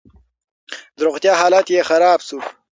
د روغتيا حالت يې خراب شو.